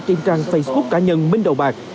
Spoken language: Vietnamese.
trên trang facebook cá nhân minh đầu bạc